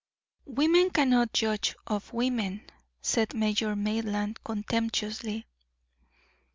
"Women cannot judge of women," said Major Maitland, contemptuously.